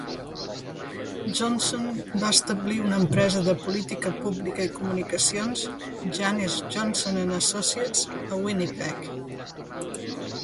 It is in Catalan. Johnson va establir una empresa de política pública i comunicacions, Janis Johnson and Associates, a Winnipeg.